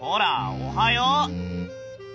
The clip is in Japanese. おはよう。